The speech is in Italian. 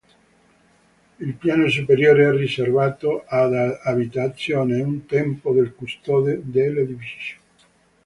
Il piano superiore è riservato ad abitazione, un tempo del custode dell'edificio.